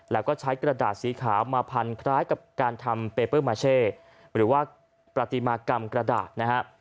แล้วก็ใช้กระดาษสีขาวมาพันคล้ายกับการทำเปเปอร์มาเช่หรือว่าประติมากรรมกระดาษนะฮะ